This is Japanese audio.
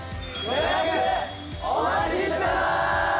お待ちしてまーす！